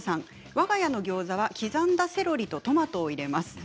わが家のギョーザは刻んだセロリとトマトを入れます。